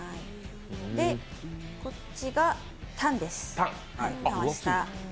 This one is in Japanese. こっちがタンです、舌。